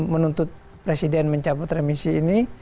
menuntut presiden mencabut remisi ini